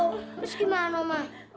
terus gimana mama